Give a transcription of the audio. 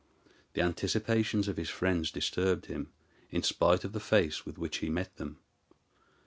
The anticipations of his friends disturbed him, in spite of the face with which he met them.